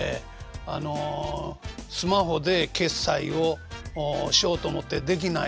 あのスマホで決済をしようと思ってできない。